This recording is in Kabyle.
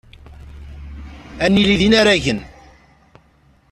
Ad nili d inaragen.